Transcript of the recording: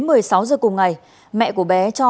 một mươi sáu giờ cùng ngày mẹ của bé cho